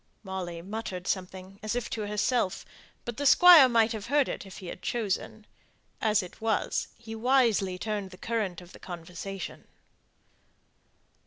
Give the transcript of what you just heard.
Molly muttered something, as if to herself, but the Squire might have heard it if he had chosen. As it was, he wisely turned the current of the conversation.